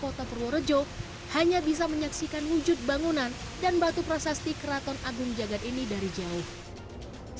kota purworejo hanya bisa menyaksikan wujud bangunan dan batu prasasti keraton agung jagad ini dari jauh